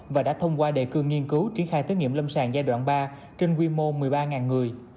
và đã thông qua đề cương nghiên cứu triển khai tiết kiệm lâm sàng giai đoạn ba trên quy mô một mươi ba người